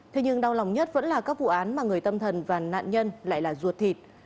thế nhưng đau lòng nhất vẫn là các vụ án mà người tâm thần và nạn nhân lại là ruột thịt